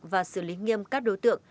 và xử lý nghiêm các đối tượng